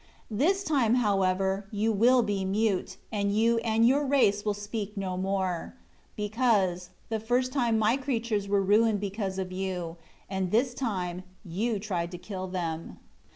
7 This time, however, you will be mute, and you and your race will speak no more; because, the first time My creatures were ruined because of you, and this time you tried to kill them."